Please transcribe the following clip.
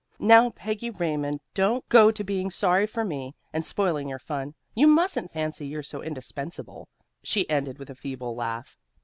"Now, Peggy Raymond, don't go to being sorry for me, and spoiling your fun. You mustn't fancy you're so indispensable," she ended with a feeble laugh.